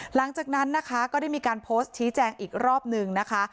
หลังจากนั้นนะคะก็ได้มีการโพสต์ชี้แจงอีกรอบนึงนะคะ